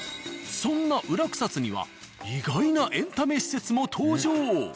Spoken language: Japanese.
そんな裏草津には意外なエンタメ施設も登場。